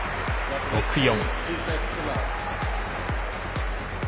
６−４。